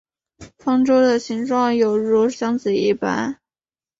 方舟的形状有如箱子一般。